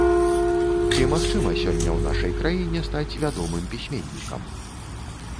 Ці магчыма сёння ў нашай краіне стаць вядомым пісьменнікам?